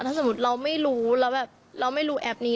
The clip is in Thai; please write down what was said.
ถ้าสมมติเราไม่รู้แอปนี้